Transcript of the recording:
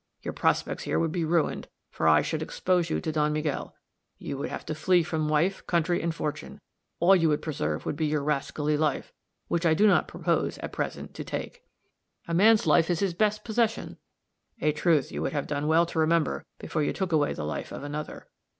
Your prospects here would be ruined; for I should expose you to Don Miguel. You would have to flee from wife, country and fortune; all you would preserve would be your rascally life, which I do not propose, at present, to take." "A man's life is his best possession." "A truth you would have done well to remember before you took away the life of another.